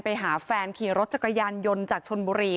ไปหาแฟนขี่รถจักรยานยนต์จากชนบุรี